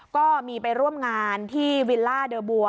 ก็มีไปร่วมงานที่วิลล่าเดอร์บัว